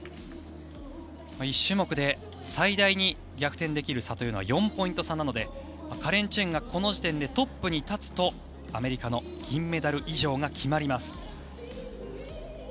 １種目で最大に逆転できる差というのは４ポイント差なのでカレン・チェンがこの時点でトップに立つとアメリカの銀メダル以上が決まります。